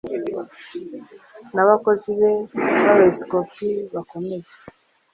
N'abakozi be b'Abepiskopi bakomeye